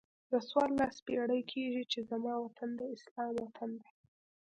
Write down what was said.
دا څوارلس پیړۍ کېږي چې زما وطن د اسلام وطن دی.